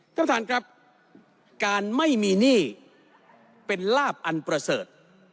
ท่านประธานครับการไม่มีหนี้เป็นลาบอันประเสริฐ